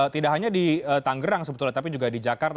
tidak hanya di tanggerang sebetulnya tapi juga di jakarta